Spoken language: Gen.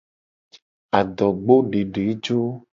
Adogbodedejo.